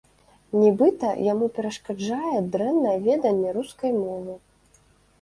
Нібыта, яму перашкаджае дрэннае веданне рускай мовы.